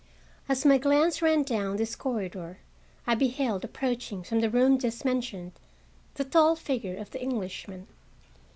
As my glance ran down this corridor, I beheld, approaching from the room just mentioned, the tall figure of the Englishman.